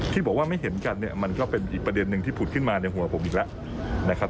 ที่บอกว่าไม่เห็นกันเนี่ยมันก็เป็นอีกประเด็นหนึ่งที่ผุดขึ้นมาในหัวผมอีกแล้วนะครับ